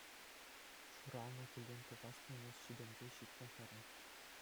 Ҫуралнӑ килтен тухас килмест ҫитӗнсе ҫитнӗ хӗрӗн.